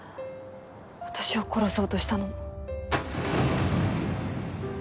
私を殺そうとしたのも。